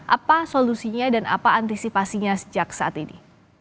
apa solusinya dan apa antisipasinya sejak saat ini